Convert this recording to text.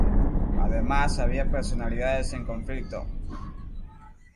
Además había personalidades en conflicto.